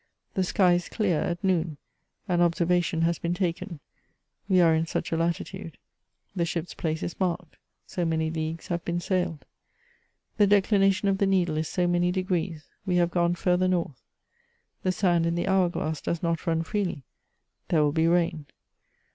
I'he sky is clear at noon ; an observation has been taken ; we are in such a latitude. The ship's place is marked ; so many leagues have been sailed. The declination of the needle is so many degrees ; we have gone further north. The sand in the hour glass does not run freely ; there will be rain.